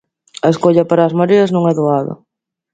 A escolla para as mareas non é doada.